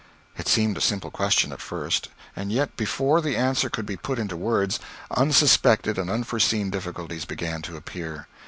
It seemed a simple question at first. And yet, before the answer could be put into words, unsuspected and unforeseen difficulties began to appear.